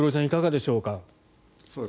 いかがでしょうか。